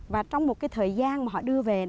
và trong một thời gian mà họ đưa về